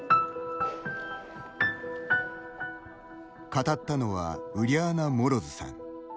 語ったのはウリャーナ・モロズさん。